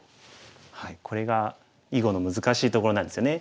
これが囲碁の難しいところなんですよね。